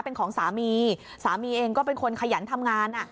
เป็นของสามีสามีเองก็เป็นคนขยันทำงาน